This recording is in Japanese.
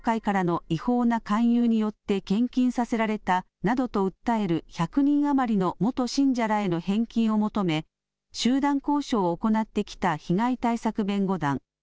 旧統一教会からの違法な勧誘によって献金させられたなどと訴える１００人余りの元信者らへの返金を求め、集団交渉を行ってきた被害対策弁護団。